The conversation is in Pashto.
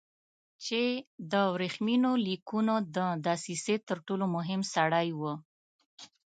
چې د ورېښمینو لیکونو د دسیسې تر ټولو مهم سړی و.